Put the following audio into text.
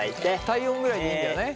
体温ぐらいでいいんだよね。